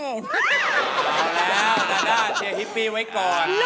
เอาแล้วทางด้านเชียร์ฮิปปี้ไว้ก่อน